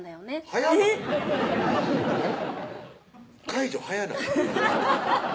はい？解除早ない？